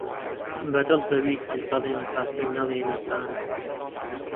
بە دڵ بە وی هەڵدەڵێم با پێم نەڵێ نەزانە